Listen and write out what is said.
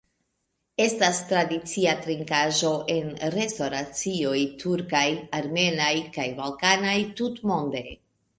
Estas tradicia trinkaĵo en restoracioj turkaj, armenaj kaj balkanaj tutmonde.